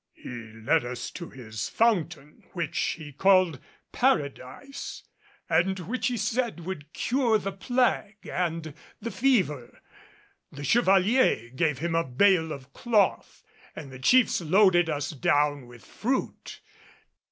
He led us to his fountain, which he called "Paradise," and which he said would cure the plague and the fever. The Chevalier gave him a bale of cloth, and the chiefs loaded us down with fruit.